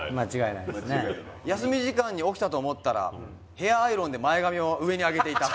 「休み時間に起きたと思ったらヘアアイロンで前髪を上に上げていた」